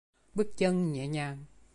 Bước chân nhẹ nhàng